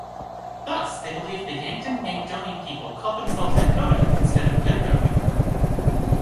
Thus, they believed the Yankton-Yanktonai people called themselves Nakota instead of Dakota.